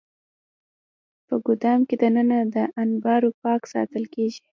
په ګدام کې دننه دا انبار پاک ساتل کېږي.